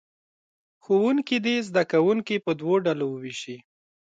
ښوونکي دې زه کوونکي په دوو ډلو ووېشي.